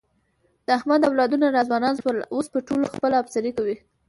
د احمد اولادونه را ځوانان شول، اوس په ټولو خپله افسري کوي.